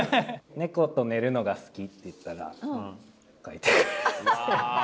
猫と寝るのが好きって言ったら描いてくれた。